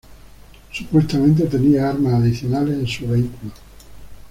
Supuestamente tenía armas adicionales en su vehículo.